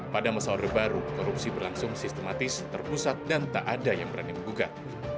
pada masa orde baru korupsi berlangsung sistematis terpusat dan tak ada yang berani menggugat